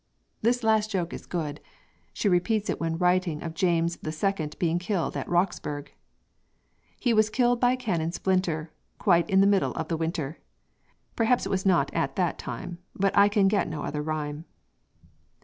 This last joke is good. She repeats it when writing of James the Second being killed at Roxburgh: He was killed by a cannon splinter, Quite in the middle of the winter; Perhaps it was not at that time, But I can get no other rhyme.